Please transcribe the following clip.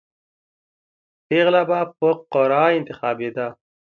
پېغله به په قرعه انتخابېده.